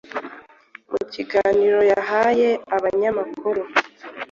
Mu kiganiro yahaye abanyamakuru ,